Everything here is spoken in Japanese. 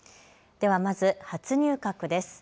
ではまず、初入閣です。